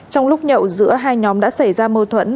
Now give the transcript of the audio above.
trong lúc nhậu giữa hai nhóm đã xảy ra mâu thuẫn